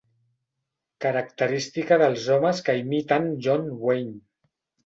Característica dels homes que imiten John Wayne.